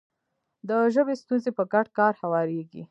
د ژبې ستونزې په ګډ کار هواریږي.